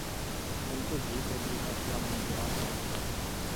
Tento děj probíhá hlavně v játrech.